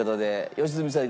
良純さん